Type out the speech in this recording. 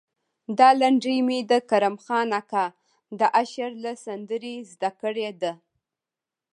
دا لنډۍ مې د کرم خان اکا د اشر له سندرې زده کړې ده.